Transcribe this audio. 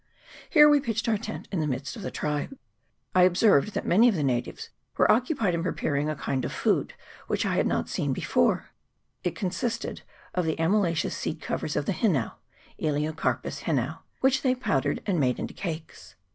Here we pitched our tent in the midst of the tribe. I observed that many of the natives were occupied in preparing a kind of food which I had not seen before : it consisted of the amylaceous seed covers of the hinau (Elacocarpus hinau), which they pow dered and made into cakes.